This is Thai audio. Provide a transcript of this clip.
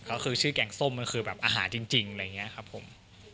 ก็คือชื่อแกงส้มมันคือแบบอาหารจริงอะไรอย่างนี้ครับผม